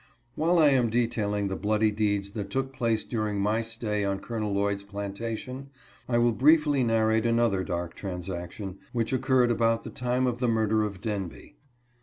While I am detailing the bloody deeds that took place during my stay on Col. Lloyd's plantation, I will briefly narrate another dark transaction, which occurred about the time of the murder of Denby.